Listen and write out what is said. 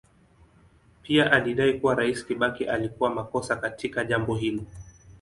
Pia alidai kuwa Rais Kibaki alikuwa makosa katika jambo hilo.